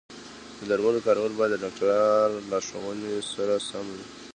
د درملو کارول باید د ډاکټر د لارښوونې سره سم وي.